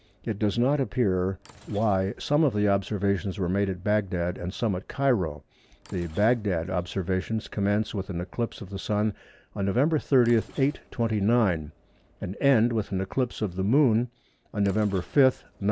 It does not appear why some of the observations were made at Bagdad and some at Cairo. The Bagdad observations commence with an eclipse of the Sun on November 30, 829, and end with an eclipse of the Moon on November 5, 933.